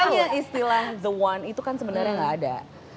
makanya istilah the one itu kan sebenarnya nggak ada